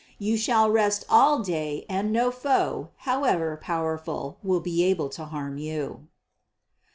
You shall rest all day and no foe, however powerful, will be able to harm you."